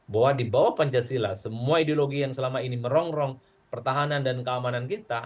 bahwa di bawah pancasila semua ideologi yang selama ini merongrong pertahanan dan keamanan kita